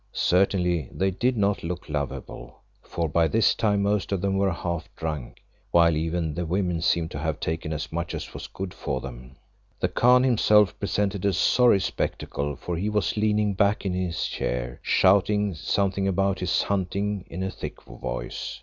Certainly they did not look lovable, for by this time most of them were half drunk, while even the women seemed to have taken as much as was good for them. The Khan himself presented a sorry spectacle, for he was leaning back in his chair, shouting something about his hunting, in a thick voice.